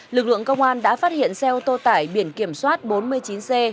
lực lượng công an đã phát hiện xe ô tô tải biển kiểm soát bốn mươi chín c một mươi ba nghìn ba trăm năm mươi tám